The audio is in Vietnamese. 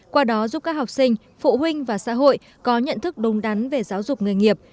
qua đó giúp các học sinh phụ huynh và xã hội có nhận thức đúng đắn về giáo dục nghề nghiệp